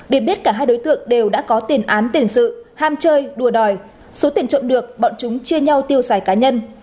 để biết cả hai đối tượng đều đã có tiền án tiền sự ham chơi đùa đòi số tiền trộm được bọn chúng chia nhau tiêu xài cá nhân